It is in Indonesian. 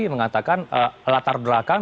mengatakan latar belakang